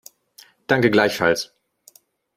Danke, gleichfalls.